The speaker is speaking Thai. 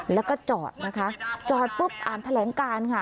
แล้วก็จอดนะคะจอดปุ๊บอ่านแถลงการค่ะ